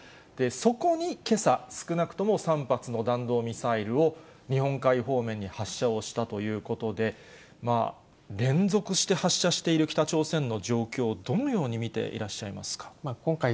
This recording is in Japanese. そこにけさ、少なくとも３発の弾道ミサイルを日本海方面に発射をしたということで、連続して発射している北朝鮮の状況、どのように見ていらっしゃい今回、